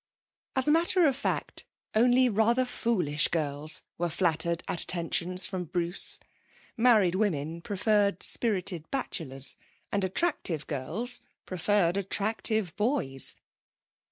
As a matter of fact, only rather foolish girls were flattered at attentions from Bruce. Married women preferred spirited bachelors, and attractive girls preferred attractive boys.